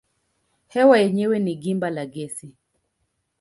Hewa yenyewe ni gimba la gesi.